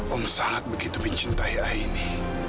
om sangat begitu mencintai aini